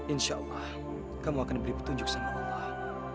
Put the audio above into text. insya allah kamu akan diberi petunjuk sama allah